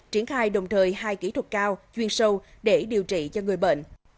triển khai đồng thời hai kỹ thuật cao chuyên sâu để điều trị cho người bệnh